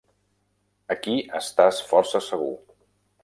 Aquí estàs força segur.